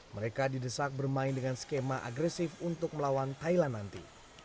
mereka didesak bermain dengan skema agresif untuk melawan thailand nanti